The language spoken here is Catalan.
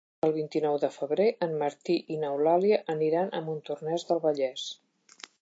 El vint-i-nou de febrer en Martí i n'Eulàlia aniran a Montornès del Vallès.